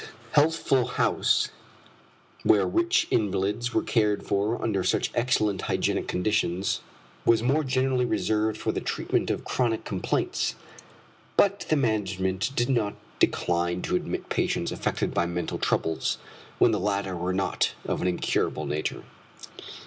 Healthful House, where rich invalids were cared for under such excellent hygienic conditions, was more generally reserved for the treatment of chronic complaints; but the management did not decline to admit patients affected by mental troubles, when the latter were not of an incurable nature.